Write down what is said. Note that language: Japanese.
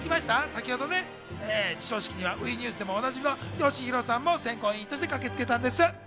先ほど授賞式にはＷＥニュースでもおなじみ、よしひろさんも選考委員としてかけつけたんです。